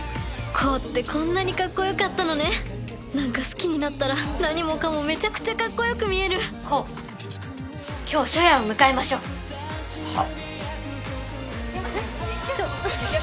煌ってこんなにかっこよかったのねなんか好きになったら何もかもめちゃくちゃかっこよく見える煌今日初夜を迎えましょうはっ？